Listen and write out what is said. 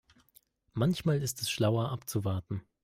Manchmal ist es schlauer abzuwarten.